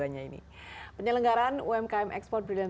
nya ini penyelenggaran umkm export brilliant